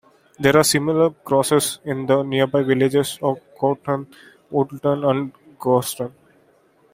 There are similar crosses in the nearby villages of Cronton, Woolton, and Garston.